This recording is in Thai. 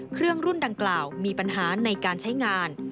เครื่องรุ่นดังกล่าวมีปัญหาในการใช้งาน